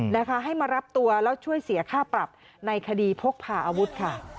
นะคะให้มารับตัวแล้วช่วยเสียค่าปรับในคดีพกพาอาวุธค่ะ